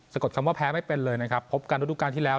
กดคำว่าแพ้ไม่เป็นเลยนะครับพบกันฤดูการที่แล้ว